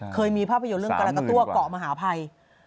เคยมีภาพยนตร์เรื่องกรกะตั้วเกาะมหาภัย